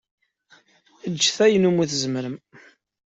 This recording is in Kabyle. Get ayen umi tzemrem.